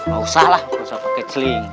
gak usah lah nggak usah pakai celing